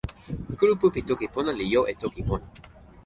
kulupu pi toki pona li jo e toki pona.